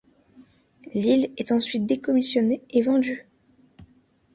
L'île est ensuite décommissionnée et vendue.